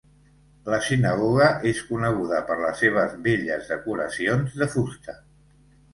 La sinagoga és coneguda per les seves belles decoracions de fusta.